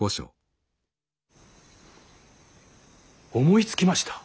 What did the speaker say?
思いつきました。